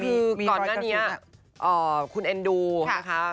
คือก่อนหน้านี้คุณเอ็นดูนะคะ